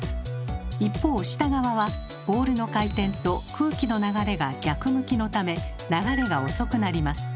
一方下側は「ボールの回転」と「空気の流れ」が逆向きのため流れが遅くなります。